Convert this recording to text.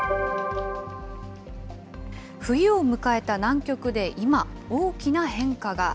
冬を迎えた南極で今、大きな変化が。